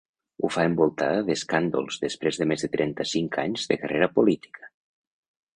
Ho fa envoltada d’escàndols després de més de trenta-cinc anys de carrera política.